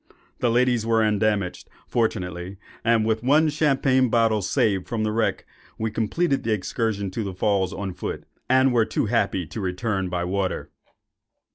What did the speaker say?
The ladies were undamaged, fortunately; and, with one champagne bottle saved from the wreck, we completed the excursion to the Falls on foot, and were too happy to return by water.